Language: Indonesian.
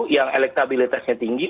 yang elektabilitasnya tinggi